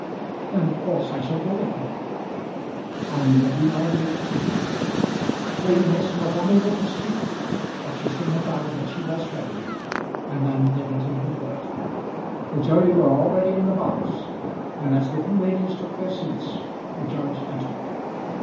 "Then of course I shall go with her. Are you ready now, dear?" Lady Mason was unable to speak, but she signified that she was ready, and then they went into court. The jury were already in the box, and as the two ladies took their seats, the judge entered.